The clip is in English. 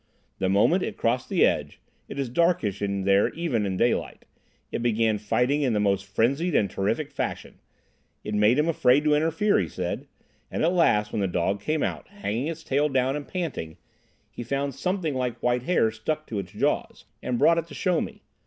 The moment it crossed the edge—it is darkish in there even in daylight—it began fighting in the most frenzied and terrific fashion. It made him afraid to interfere, he said. And at last, when the dog came out, hanging its tail down and panting, he found something like white hair stuck to its jaws, and brought it to show me.